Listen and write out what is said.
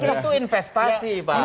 itu investasi pak